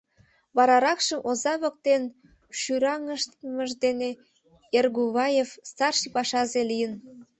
Вараракшым оза воктен шӱраҥыштмыж дене Эргуваев старший пашазе лийын.